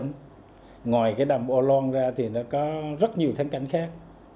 ngoài đầm ô lan ra có rất nhiều thanh cảnh khác